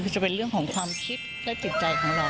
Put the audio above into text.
คือจะเป็นเรื่องของความคิดและจิตใจของเรา